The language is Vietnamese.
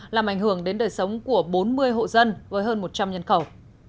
làm ảnh hưởng đến đời sống của bốn mươi hộ dân với hơn một trăm linh nhân khẩu